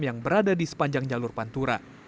yang berada di sepanjang jalur pantura